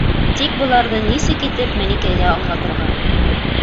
Тик быларҙы нисек итеп Мәликәгә аңлатырға?